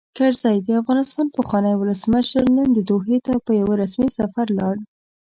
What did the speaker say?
کرزی؛ د افغانستان پخوانی ولسمشر، نن دوحې ته په یوه رسمي سفر ولاړ.